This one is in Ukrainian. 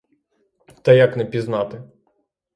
Та як не пізнати!